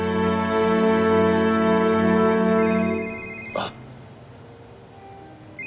あっ。